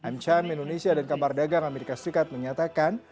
mcam indonesia dan kamar dagang amerika serikat menyatakan